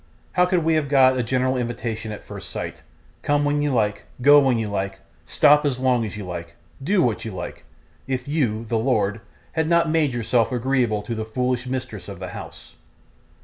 How could we have got a general invitation at first sight come when you like, go when you like, stop as long as you like, do what you like if you, the lord, had not made yourself agreeable to the foolish mistress of the house?